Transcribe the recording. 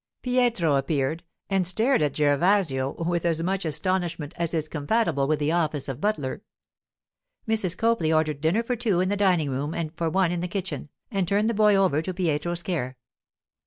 Pietro appeared, and stared at Gervasio with as much astonishment as is compatible with the office of butler. Mrs. Copley ordered dinner for two in the dining room and for one in the kitchen, and turned the boy over to Pietro's care.